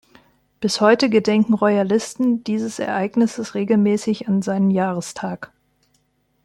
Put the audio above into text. Bis heute gedenken Royalisten dieses Ereignisses regelmäßig an seinem Jahrestag.